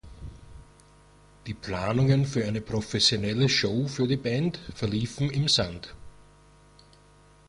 Die Planungen für eine professionelle Show für die Band verliefen im Sand.